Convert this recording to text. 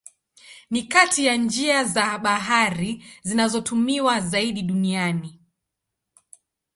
Ni kati ya njia za bahari zinazotumiwa zaidi duniani.